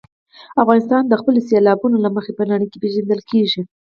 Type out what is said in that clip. افغانستان د خپلو سیلابونو له مخې په نړۍ کې پېژندل کېږي.